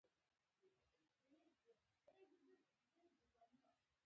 خو د مغذي موادو له اړخه ټیټ وي.